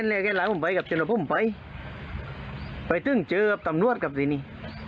อะไรก็ล้างไปกับจะลองไปไว้มีเจอตำรวจกับปริหิติ